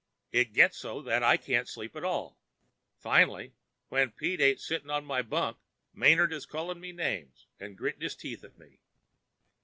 It gets so that I can't sleep at all. Finally, when Pete ain't sitting on my bunk Manard is calling me names and gritting his teeth at me.